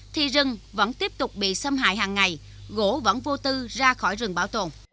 thì rừng vẫn tiếp tục bị xâm hại hàng ngày gỗ vẫn vô tư ra khỏi rừng bảo tồn